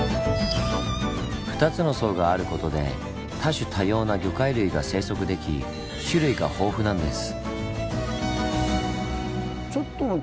２つの層があることで多種多様な魚介類が生息でき種類が豊富なんです。